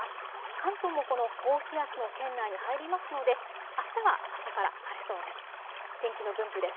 関東もこの高気圧の圏内に入りますのであしたは朝から晴れそうです。